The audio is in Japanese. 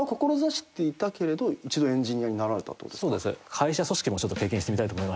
会社組織もちょっと経験してみたいと思いまして。